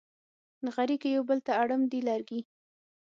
نغري کې یو بل ته اړم دي لرګي